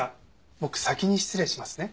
僕先に失礼しますね。